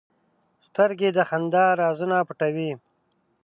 سترګې د خندا رازونه پټوي